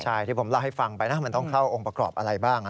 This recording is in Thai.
ใช่ที่ผมเล่าให้ฟังไปนะมันต้องเข้าองค์ประกอบอะไรบ้าง